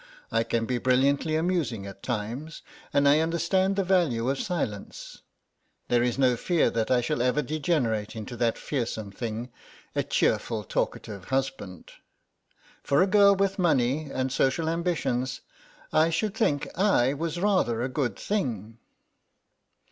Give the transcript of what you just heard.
I can be brilliantly amusing at times, and I understand the value of silence; there is no fear that I shall ever degenerate into that fearsome thing—a cheerful talkative husband. For a girl with money and social ambitions I should think I was rather a good thing."